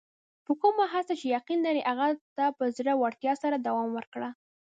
په کومه هڅه چې یقین لرې، هغه ته په زړۀ ورتیا سره دوام ورکړه.